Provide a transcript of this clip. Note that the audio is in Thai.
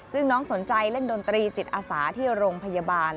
ซึ่งน้องสนใจเล่นดนตรีจิตอาสาที่โรงพยาบาล